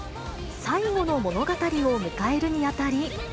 最後の物語を迎えるにあたり。